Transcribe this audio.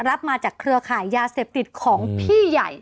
รับมาจากเครือขายยาเสพติดของพี่ใหญ่